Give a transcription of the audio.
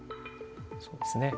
そうですね。